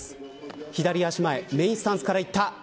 左足前メーンスタンスからいった。